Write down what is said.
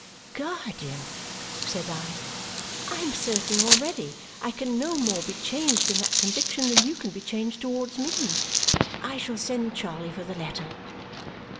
"Guardian," said I, "I am already certain, I can no more be changed in that conviction than you can be changed towards me. I shall send Charley for the letter."